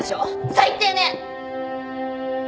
最低ね。